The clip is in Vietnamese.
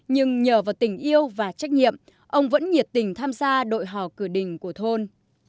nhưng nhờ vào tình yêu và trách nhiệm ông vẫn nhiệt tình tham gia đội hò cửa đình của thôn